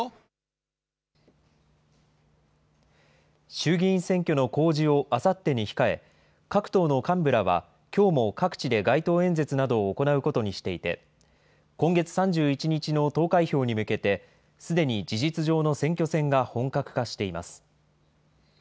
衆議院選挙の公示をあさってに控え、各党の幹部らは、きょうも各地で街頭演説などを行うことにしていて、今月３１日の投開票に向けて、すでに事実上の選挙戦が本格化しています。